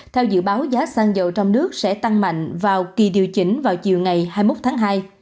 theo dự báo giá xăng dầu trong nước sẽ tăng mạnh vào kỳ điều chỉnh vào chiều ngày hai mươi một tháng hai